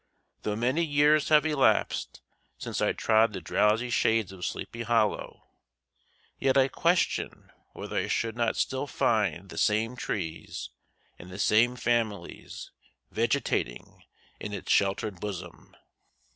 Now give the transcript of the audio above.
Though many years have elapsed since I trod the drowsy shades of Sleepy Hollow, yet I question whether I should not still find the same trees and the same families vegetating in its sheltered bosom.